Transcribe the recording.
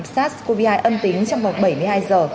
sars cov hai âm tính trong vòng bảy mươi hai giờ